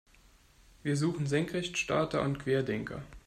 Wir suchen Senkrechtstarter und Querdenker.